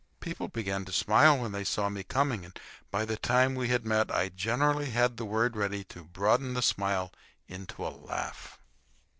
People began to smile when they saw me coming, and by the time we had met I generally had the word ready to broaden the smile into a laugh.